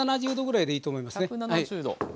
１７０℃ぐらいでいいと思いますね。